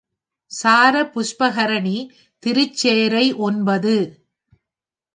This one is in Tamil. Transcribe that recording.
சார புஷ்கரணி திருச்சேறை ஒன்பது.